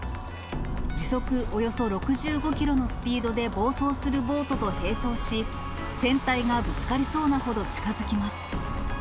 時速およそ６５キロのスピードで暴走するボートと並走し、船体がぶつかりそうなほど近づきます。